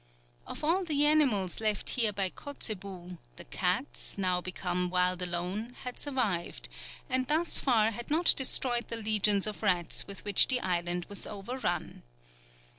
Of all the animals left here by Kotzebue, the cats, now become wild alone, had survived, and thus far they had not destroyed the legions of rats with which the island was overrun.